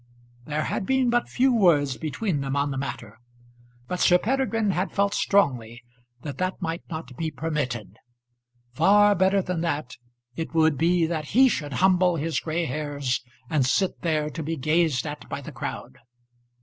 There had been but few words between them on the matter; but Sir Peregrine had felt strongly that that might not be permitted. Far better than that it would be that he should humble his gray hairs and sit there to be gazed at by the crowd.